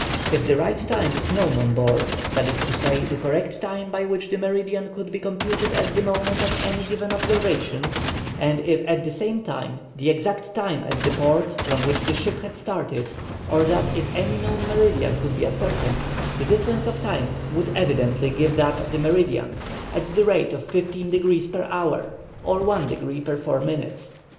If the right time is known on board, that is to say, the correct time by which the meridian could be computed at the moment of any given observation, and if at the same time, the exact time at the port from which the ship had started, or that if any known meridian could be ascertained, the difference of time would evidently give that of the meridians, at the rate of fifteen degrees per hour, or one degree per four minutes.